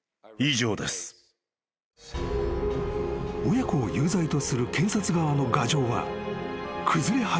［親子を有罪とする検察側の牙城は崩れ始めていた］